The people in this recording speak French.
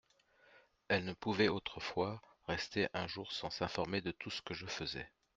Elle ne pouvait autrefois rester un jour sans s'informer de tout ce que je faisais.